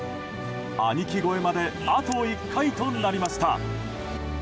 兄貴超えまであと１回となりました。